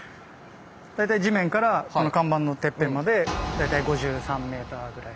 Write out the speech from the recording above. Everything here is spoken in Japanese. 地面からこの看板のてっぺんまで大体５３ｍぐらい。